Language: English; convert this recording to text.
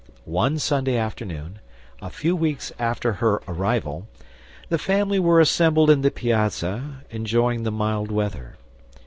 One Sunday afternoon, a few weeks after her arrival, the family were assembled in the piazza enjoying the mild weather.